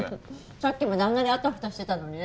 さっきまであんなにあたふたしてたのにね。